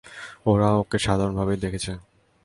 ওরা ওকে সাধারণভাবেই দেখেছে।